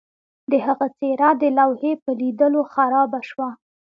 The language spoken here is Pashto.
د هغه څیره د لوحې په لیدلو خرابه شوه